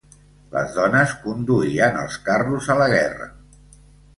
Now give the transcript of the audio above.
Les dones conduïen els carros a la guerra.